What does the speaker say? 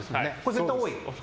絶対多い？